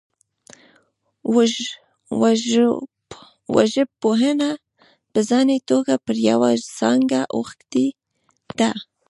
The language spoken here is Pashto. وژژبپوهنه په ځاني توګه پر یوه څانګه اوښتې ده